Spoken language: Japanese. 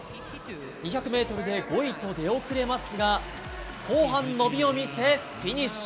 ２００ｍで５位と出遅れますが後半、伸びを見せフィニッシュ。